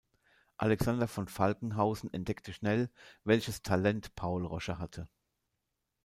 Alexander von Falkenhausen entdeckte schnell, welches Talent Paul Rosche hatte.